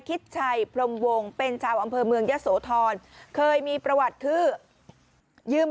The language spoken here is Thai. ชิดชัยพรมวงเป็นชาวอำเภอเมืองยะโสธรเคยมีประวัติคือยืม